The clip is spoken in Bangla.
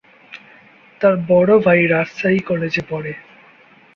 তার বড় ভাই রাজশাহী কলেজে পড়ে।